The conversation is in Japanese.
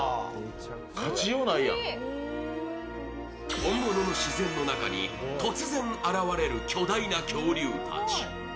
本物の自然の中に突然現れる巨大な恐竜たち。